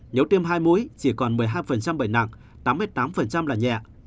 nếu tiêm hai mũi chỉ còn một mươi hai bệnh nặng tám mươi tám là nhẹ